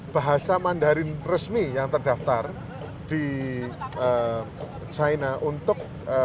bahasa mandarin resmi yang terdaftar di china untuk